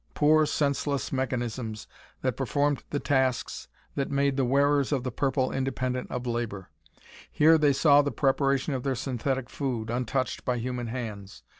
Poor, senseless mechanisms that performed the tasks that made the wearers of the purple independent of labor. Here they saw the preparation of their synthetic food, untouched by human hands.